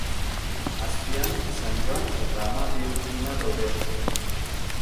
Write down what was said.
Azpian San Joan eta Ama Birjina daude.